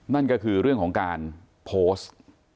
นั่นก็คือเรื่องของการโพสต์